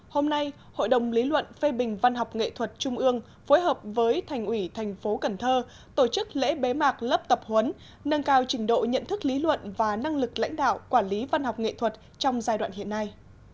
hôm nay hội đồng lý luận phê bình văn học nghệ thuật trung ương phối hợp với thành ủy thành phố cần thơ tổ chức lễ bế mạc lớp tập huấn nâng cao trình độ nhận thức lý luận và năng lực lãnh đạo quản lý văn học nghệ thuật trong giai đoạn hiện nay